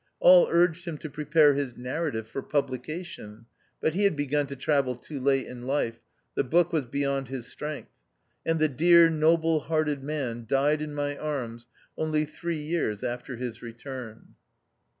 All urged him to prepare his Narrative for publication ; but he had begun to travel too late in life ; the book was beyond his strength ; and the dear noble hearted man died in my arms only three years after his return.